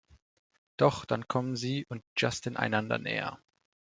Doch dann kommen sie und Justin einander näher.